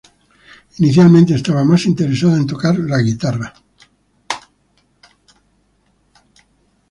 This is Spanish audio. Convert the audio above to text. Inicialmente estaba más interesada en tocar la guitarra.